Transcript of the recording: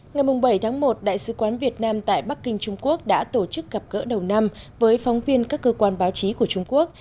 ngày bảy tháng một đại sứ quán việt nam tại bắc kinh trung quốc đã tổ chức gặp gỡ đầu năm với phóng viên các cơ quan báo chí của trung quốc